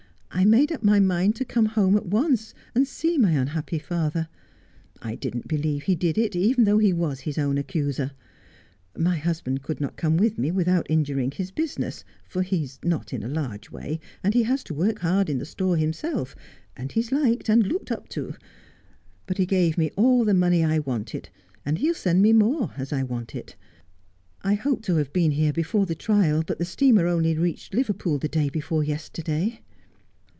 I made up my mind to come home at once, and see my unhappy father. I didn't believe he did it, even though he was his own accuser. My husband could not come with me without injuring his business, for he's not in a large way, and he has to work hard in the store himself, and he's liked, and looked up to. But he gave me all the money I wanted, and he'll send me more, as I want it. I hoped to have been here before the trial, but the steamer only reached Liverpool the day before yesterday.'